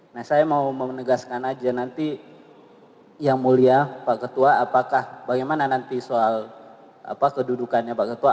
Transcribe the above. nah saya mau menegaskan aja nanti yang mulia pak ketua apakah bagaimana nanti soal kedudukannya pak ketua